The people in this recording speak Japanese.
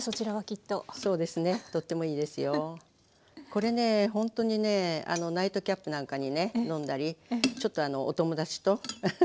これねほんとにねナイトキャップなんかにね飲んだりちょっとお友達とアハハ。